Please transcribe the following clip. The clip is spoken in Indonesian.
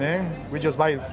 dan kemudian kita hanya membeli